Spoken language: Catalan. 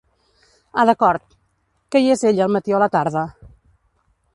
Ah d'acord, que hi és ella al matí o a la tarda?